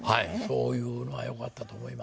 そういうのはよかったと思います。